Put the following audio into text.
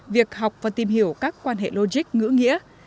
việc học và tìm hiểu các quan hệ logic ngữ nghĩa